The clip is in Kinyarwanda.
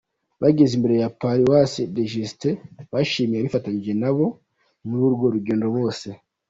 Bageze imbere ya Palais de Justice, bashimiye abifitanije nabo muri urwo rugendo bose.